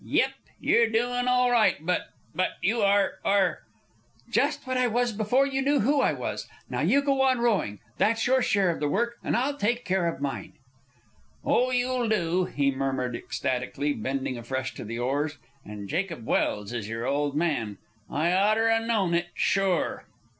"Yep. You're doin' all right; but, but, you are are " "Just what I was before you knew who I was. Now you go on rowing, that's your share of the work; and I'll take care of mine." "Oh, you'll do!" he murmured ecstatically, bending afresh to the oars. "And Jacob Welse is your old man? I oughter 'a known it, sure!"